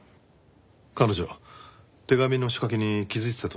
彼女手紙の仕掛けに気づいてたと思います。